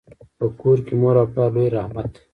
په کور کي مور او پلار لوی رحمت دی.